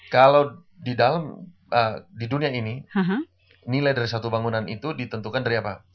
kalau di dunia ini nilai dari satu bangunan itu ditentukan dari apa